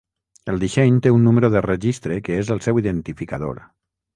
El disseny té un número de registre que és el seu identificador.